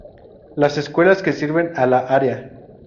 Las escuelas que sirven a la área